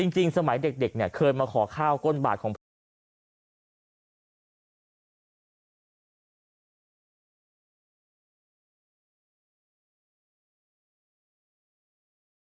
จริงสมัยเด็กเคยมาขอข้าวก้นบาทของพระเจ้า